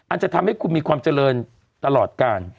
จะทำให้คุณมีความเจริญตลอดกาล